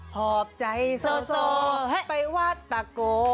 หอบใจโซโซไปวาดตะโก